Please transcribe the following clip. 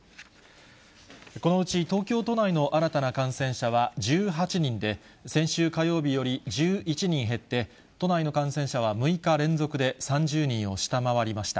このうち東京都内の新たな感染者は１８人で、先週火曜日より１１人減って、都内の感染者は６日連続で３０人を下回りました。